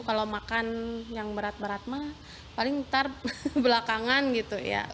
kalau makan yang berat berat mah paling ntar belakangan gitu ya